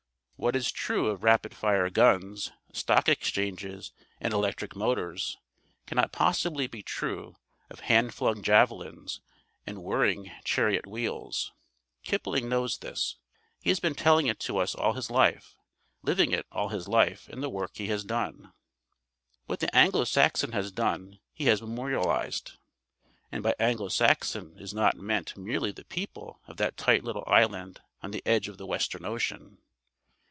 What is true of rapid fire guns, stock exchanges, and electric motors, cannot possibly be true of hand flung javelins and whirring chariot wheels. Kipling knows this. He has been telling it to us all his life, living it all his life in the work he has done. What the Anglo Saxon has done, he has memorialized. And by Anglo Saxon is not meant merely the people of that tight little island on the edge of the Western Ocean.